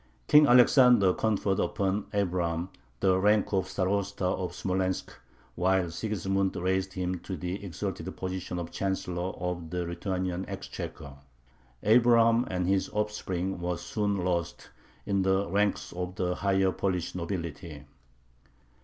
King Alexander conferred upon Abraham the rank of Starosta of Smolensk, while Sigismund raised him to the exalted position of Chancellor of the Lithuanian Exchequer. Abraham and his offspring were soon lost in the ranks of the higher Polish nobility.